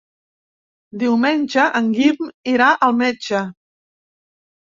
Diumenge en Guim irà al metge.